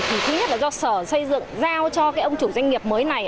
thì thứ nhất là do sở xây dựng giao cho cái ông chủ doanh nghiệp mới này